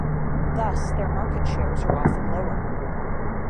Thus their market shares are often lower.